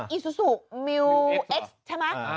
อิซูซูมิวเอ็กซ์ใช่ไหม